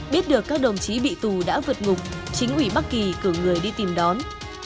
biết được các đồng chí bị tù đã vượt ngục chính ủy bắc kỳ cử người đi tìm đón